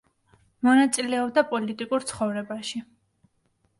მონაწილეობდა პოლიტიკურ ცხოვრებაში.